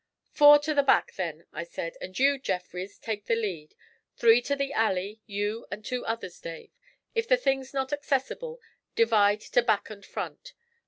'Four to the back then,' I said, 'and you, Jeffrys, take the lead; three to the alley, you and two others, Dave. If the thing's not accessible, divide to back and front.